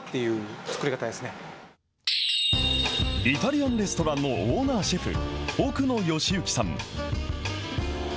イタリアンレストランのオーナーシェフ、奥野義幸さん。